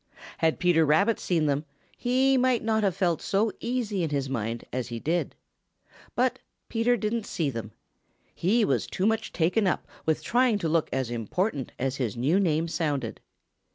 Had Peter Rabbit seen them, he might not have felt so easy in his mind as he did. But Peter didn't see them. He was too much taken up with trying to look as important as his new name sounded.